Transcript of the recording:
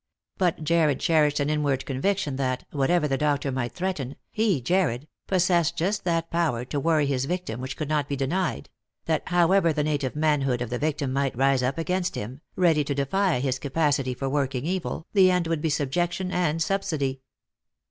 But Jarred cherished an inward conviction that, whatever the doctor might threaten, he, Jarred, possessed just that power to worry his victim which could not be denied — that, however the native manhood of the victim might rise up against him, ready to defy his capacity for working evil, the end would be subjection and subsidy.